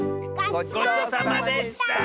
ごちそうさまでした！